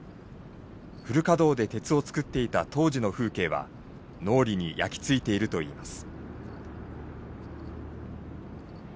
フル稼働で鉄をつくっていた当時の風景は脳裏に焼き付いているといいます。